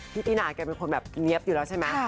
พี่ตินาแกเป็นคนแบบเนี๊ยบอยู่แล้วใช่ไหม